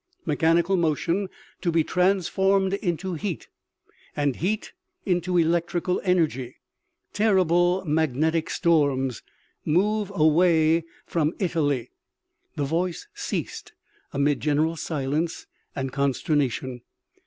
Mechanical motion to be transformed into heat, and heat into electrical energy. Terrible magnetic storms. Move away from Italy." The voice ceased amid general silence and consterna tion.